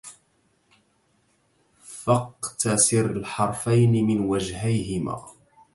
فاقْتسِر الحرفين من وجهيهما